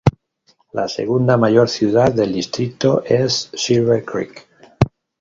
La segunda mayor ciudad del distrito es Silver Creek.